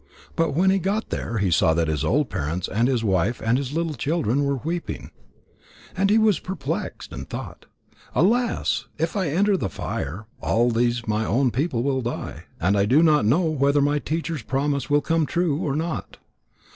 But when he got there he saw that his old parents and his wife and his little children were weeping. And he was perplexed, and thought: "Alas! If I enter the fire, all these my own people will die. And I do not know whether my teacher's promise will come true or not.